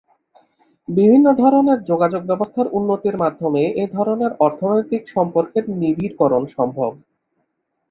বিভিন্ন ধরনের যোগাযোগ ব্যবস্থার উন্নতির মাধ্যমে এ ধরনের অর্থনৈতিক সম্পর্কের নিবিড়করণ সম্ভব।